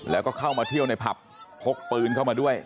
แล้วก็เข้ามาเที่ยวในผับพกปืนเข้ามาด้วย